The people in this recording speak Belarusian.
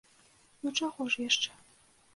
Ну, чаго ж яшчэ?